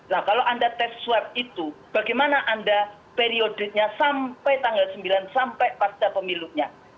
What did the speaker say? nah kalau anda tes swab itu bagaimana anda periodenya sampai tanggal sembilan sampai pasca pemilunya